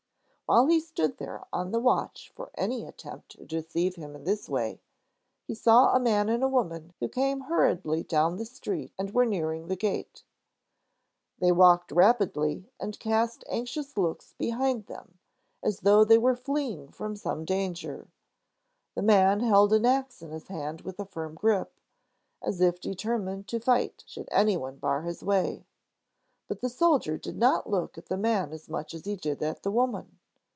While he stood there on the watch for any attempt to deceive him in this way, he saw a man and a woman who came hurriedly down the street and were nearing the gate. They walked rapidly and cast anxious looks behind them, as though they were fleeing from some danger. The man held an ax in his hand with a firm grip, as if determined to fight should any one bar his way. But the soldier did not look at the man as much as he did at the woman.